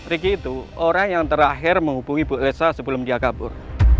ricky itu orang yang terakhir menghubungi bu elsa sebelum dia kabur